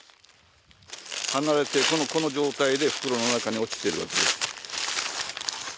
離れてこの状態で袋の中に落ちてるわけです。